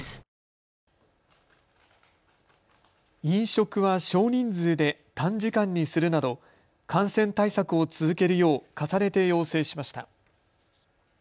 飲食は少人数で短時間にするなど感染対策を続けるよう重ねて要請しました。